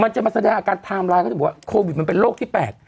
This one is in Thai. จะมาแสดงอาการไทม์ไลน์เขาจะบอกว่าโควิดมันเป็นโรคที่แปลก